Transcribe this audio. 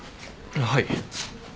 はい。